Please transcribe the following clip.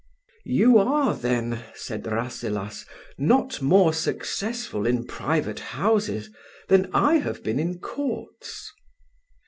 "You are then," said Rasselas, "not more successful in private houses than I have been in Courts."